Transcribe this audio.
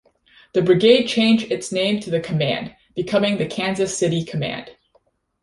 The Brigade changed its name to the Command, becoming the Kansas City Command.